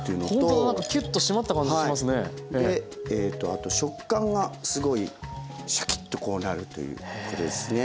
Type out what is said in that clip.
あと食感がすごいシャキッとこうなるということですね。